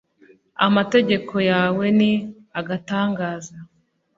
Amategeko yawe ni agatangaza